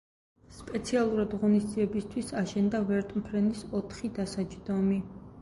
სპეციალურად ღონისძიებისთვის, აშენდა ვერტმფრენის ოთხი დასაჯდომი.